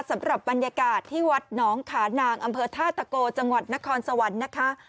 สำหรับบรรยากาศที่วัดหนองขานางอำเภอท่าตะโกจังหวัดนครสวรรค์นะคะ